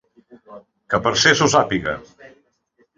Que Perses ho sàpiga.